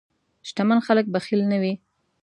شتمن خلک بخیل نه وي.